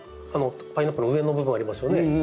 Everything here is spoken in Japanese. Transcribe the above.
パイナップルの上の部分ありますよね。